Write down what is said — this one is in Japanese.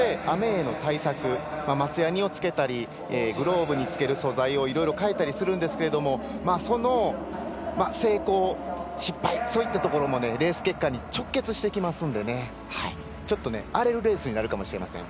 雨への対策、松やにをつけたりグローブにつける素材をいろいろ変えたりするんですがその成功や失敗そういったとこをもレース結果に直結してきますのでちょっと荒れるレースになるかもしれません。